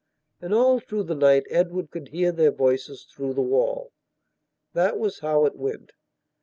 And all through the night Edward could hear their voices through the wall. That was how it went....